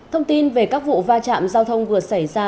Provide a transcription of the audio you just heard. thông tin về các vụ va chạm giao thông vừa xảy ra